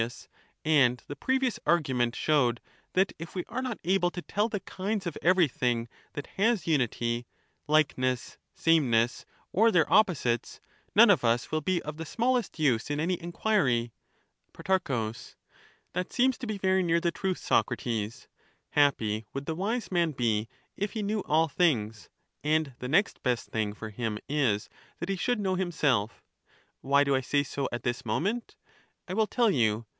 Most true, O son of Callias ; and the previous argu Philebus, ment showed that if we are not able to tell the kinds of sockates, everything that has unity, likeness, sameness, or their p*°j]i^u^"*' opposites, none of us will be of the smallest use in any enquiry. Pro, That seems to be very near the truth, Socrates. Happy would the wise man be if he knew all things, and the next best thing for him is that he should know himself. Why do I say so at this moment? I will tell you.